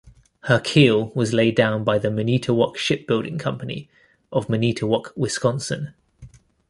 Her keel was laid down by the Manitowoc Shipbuilding Company of Manitowoc, Wisconsin.